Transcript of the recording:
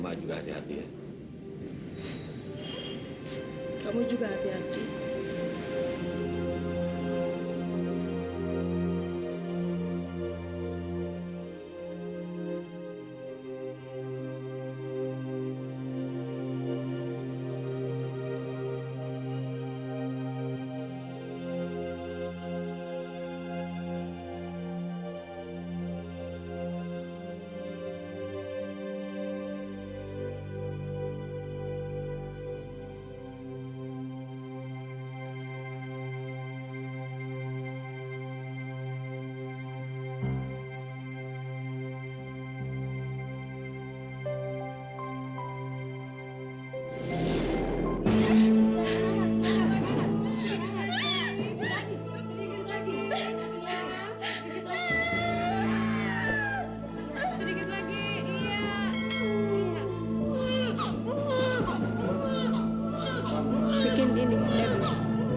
aku berada di atas tahta